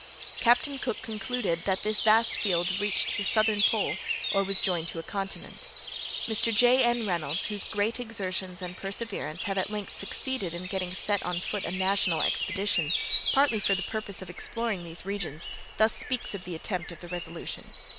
Captain Cook concluded that this vast field reached the southern pole or was joined to a continent. Mr. J. N. Reynolds, whose great exertions and perseverance have at length succeeded in getting set on foot a national expedition, partly for the purpose of exploring these regions, thus speaks of the attempt of the Resolution.